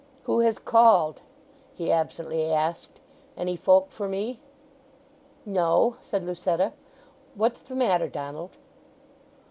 "Who has called?" he absently asked. "Any folk for me?" "No," said Lucetta. "What's the matter, Donald?"